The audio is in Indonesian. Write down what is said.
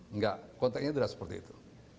enggak konteknya tidak seperti itu